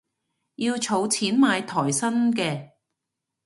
要儲錢買台新嘅